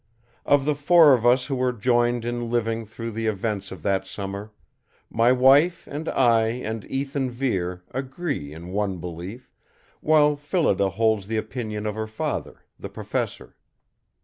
Of the four of us who were joined in living through the events of that summer, my wife and I and Ethan Vere agree in one belief, while Phillida holds the opinion of her father, the Professor.